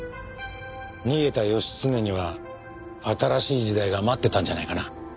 逃げた義経には新しい時代が待っていたんじゃないかな。